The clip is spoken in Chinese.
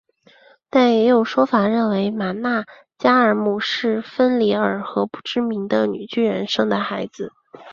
但也有说法认为玛纳加尔姆是芬里尔和不知名的女巨人生的孩子。